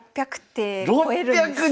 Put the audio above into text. ６００手超えるんです。